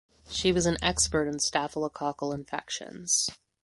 She was an expert in staphylococcal infections.